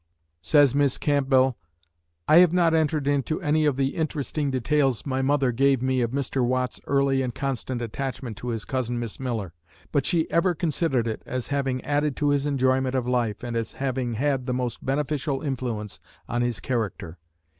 Says Miss Campbell: I have not entered into any of the interesting details my mother gave me of Mr. Watt's early and constant attachment to his cousin Miss Miller; but she ever considered it as having added to his enjoyment of life, and as having had the most beneficial influence on his character.